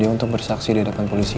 hal ini kayaknya terlihat malem malem sih